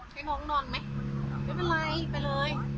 ให้น้องนอนไหมไม่เป็นไรไปเลย